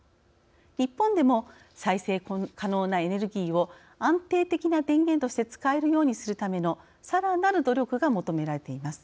日本でも再生可能なエネルギーを安定的な電源として使えるようにするためのさらなる努力が求められています。